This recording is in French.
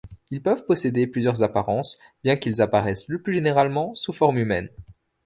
Ils peuvent posséder plusieurs apparences bien qu’ils apparaissent le plus généralement sous forme humaine.